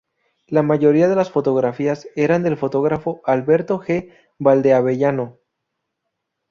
La mayoría de las fotografías eran del fotógrafo Alberto G. Valdeavellano.